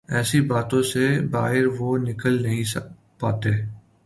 ایسی باتوں سے باہر وہ نکل نہیں پاتے۔